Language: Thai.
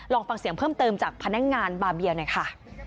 ลองฟังเสียงเพิ่มเติมจากพนักงานบาเบียหน่อยค่ะ